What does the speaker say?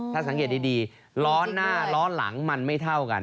ถ้าสังเกตดีล้อหน้าล้อหลังมันไม่เท่ากัน